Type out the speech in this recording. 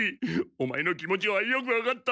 オマエの気持ちはよくわかった！